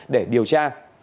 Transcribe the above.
để điều tra